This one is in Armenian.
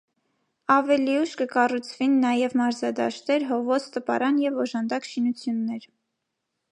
Աւելի ուշ կը կառուցուին նաեւ մարզադաշտեր, հովոց, տպարան եւ օժանդակ շինութիւններ։